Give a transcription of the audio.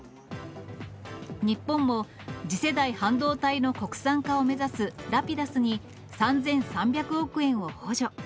日本も次世代半導体の国産化を目指すラピダスに３３００億円を補助。